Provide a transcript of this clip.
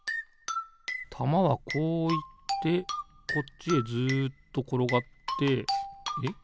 たまはこういってこっちへずっところがってえっ